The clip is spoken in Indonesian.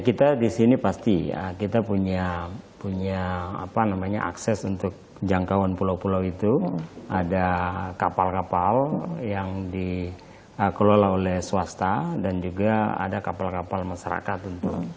kita di sini pasti kita punya akses untuk jangkauan pulau pulau itu ada kapal kapal yang dikelola oleh swasta dan juga ada kapal kapal masyarakat